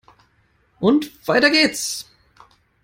Und weiter geht's!